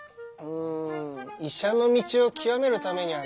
ん医者の道を究めるためにはね